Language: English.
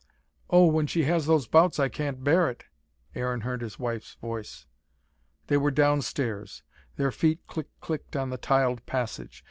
"Oh, when she has those bouts I can't bear it," Aaron heard his wife's voice. They were downstairs. Their feet click clicked on the tiled passage.